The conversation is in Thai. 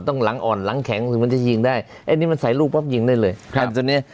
ต้องหลังอ่อนหลังแข็งมันจะยิงได้อันนี้มันใส่รูปป๊อปยิงได้เลย